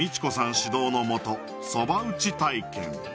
指導のもとそば打ち体験